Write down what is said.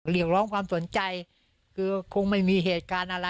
เรียกร้องความสนใจคือคงไม่มีเหตุการณ์อะไร